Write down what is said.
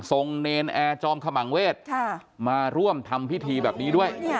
เนรนแอร์จอมขมังเวศมาร่วมทำพิธีแบบนี้ด้วย